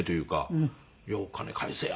「お金返せや！」